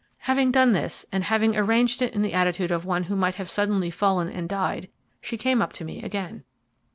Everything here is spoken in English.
Having done this, and having arranged it in the attitude of one who might have suddenly fallen and died, she came up to me again.